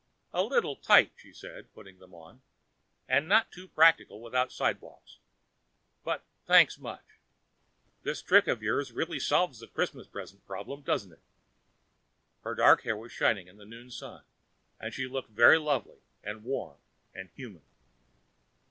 "A little tight," she said, putting them on, "and not too practical without sidewalks. But thanks much. This trick of yours really solves the Christmas present problem, doesn't it?" Her dark hair was shiny in the noon sun, and she looked very lovely and warm and human.